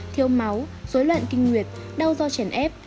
thiếu máu dối loạn kinh nguyệt đau do chèn ép